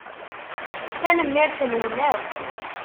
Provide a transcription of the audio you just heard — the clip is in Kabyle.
Tanemmirt-nwen akk.